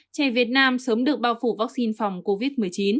trẻ việt nam sớm được bao phủ vaccine phòng covid một mươi chín